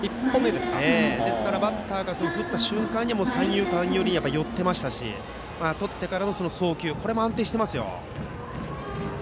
ですから、バッターが振った瞬間には三遊間寄りに寄っていましたしとってからの送球も安定しています。